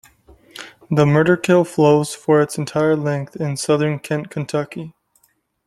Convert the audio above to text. The Murderkill flows for its entire length in southern Kent County.